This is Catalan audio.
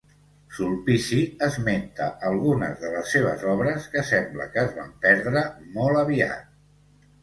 Sulpici esmenta algunes de les seves obres, que sembla que es van perdre molt aviat.